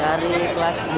dari kelas dua sd